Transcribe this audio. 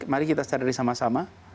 mari kita secara dari sama sama